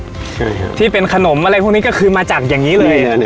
ใช่ครับที่เป็นขนมอะไรพวกนี้ก็คือมาจากอย่างงี้เลยนี่แหละนี่แหละ